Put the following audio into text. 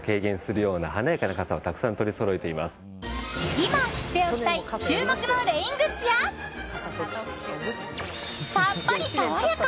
今、知っておきたい注目のレイングッズやさっぱり爽やか！